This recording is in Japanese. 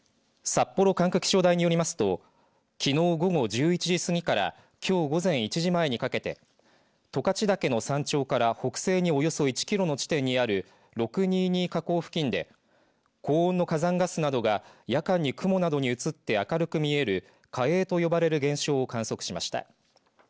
札幌管区気象台によりますときのう午後１１時過ぎからきょう午前１時前にかけて十勝岳の山頂から北西におよそ１キロの地点にある６２−２火口付近で高温の火山ガスなどが夜間に雲などに映って明るく見える火映と呼ばれる現象を観測しました。